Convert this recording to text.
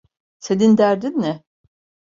Senin derdin ne?